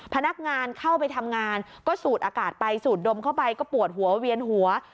พนักงานเข้าไปทำงานก็สูดอากาศไปสูดดมเข้าไปก็ปวดหัวเวียนหัว